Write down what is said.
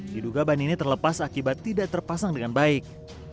diduga ban ini terlepas akibat tidak terpasang dengan baik